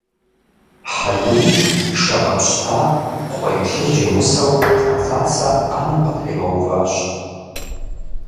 Хьэлум шэ гъэпщта къхуей плъыжь и гъусэу Хьэцацэ ӏэнэм къытригъэуващ.